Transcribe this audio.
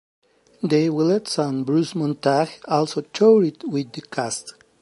Dave Willetts and Bruce Montague also toured with the cast.